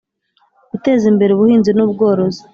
Guteza imbere ubuhinzi n ubworozi